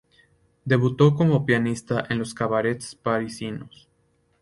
Debutó como pianista en los cabarets parisinos.